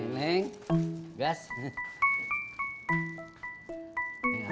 neng arya mukamnya ada